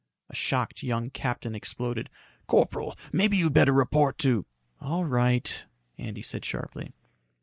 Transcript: A shocked young captain exploded, "Corporal. Maybe you'd better report to " "All right," Andy said sharply.